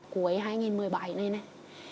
cuối hai nghìn một mươi bảy này này